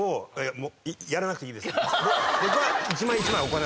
僕は。